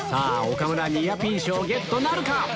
岡村ニアピン賞ゲットなるか？